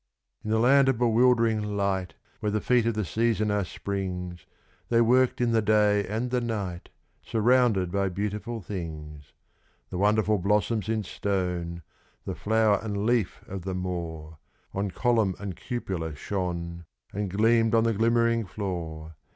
In a land of bewildering light, where the feet of the season are Spring's, They worked in the day and the night, surrounded by beautiful things. The wonderful blossoms in stone the flower and leaf of the Moor, On column and cupola shone, and gleamed on the glimmering floor.